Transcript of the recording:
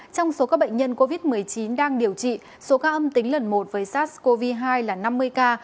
trong số các bệnh nhân covid một mươi chín đang điều trị số ca âm tính lần một với sars cov hai là năm mươi ca